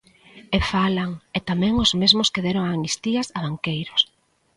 E falan, e tamén os mesmos que deron amnistías a banqueiros.